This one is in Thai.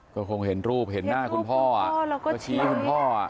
ก็คงเห็นรูปเห็นหน้าคุณพ่อแล้วก็ชี้ให้คุณพ่อ